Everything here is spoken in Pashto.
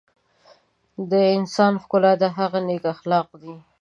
د انسان ښکلا د هغه نیک اخلاق دي.